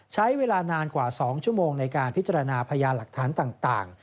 ใช้เวลานานกว่า๒ชั่วโมงในการพิจารณาพยานหลักฐานต่าง